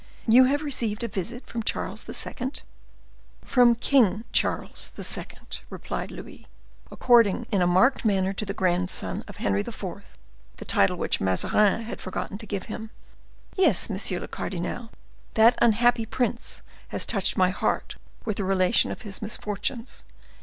"You have received a visit from Charles II.?" "From King Charles II.," replied Louis, according in a marked manner to the grandson of Henry IV. the title which Mazarin had forgotten to give him. "Yes, monsieur le cardinal, that unhappy prince has touched my heart with the relation of his misfortunes.